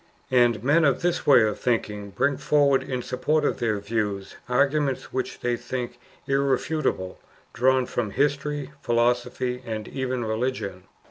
And men of this way of thinking bring forward in support of their views arguments which they think irrefutable drawn from history, philosophy, and even religion.